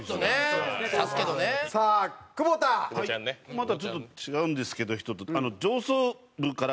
またちょっと違うんですけど人と。